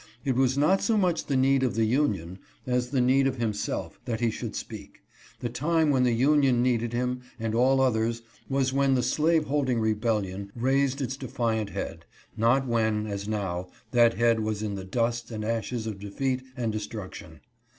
It was not so much the need of the union, as the need of himself, that he should speak ; the time when the union needed him, and all 448 WINTHROP AND WILSON. others, was when the slave holding rebellion raised its defiant head, not when, as now, that head was in the dust and ashes of defeat and destruction.